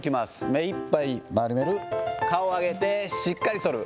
めいっぱい丸める、顔を上げてしっかり反る。